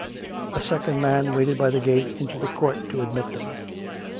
A second man waited by the gate into the court to admit them.